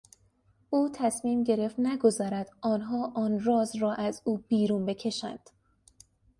او تصمیم گرفت نگذارد آنها آن راز را از او بیرون بکشند.